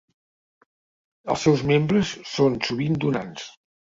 Els seus membres són sovint donants.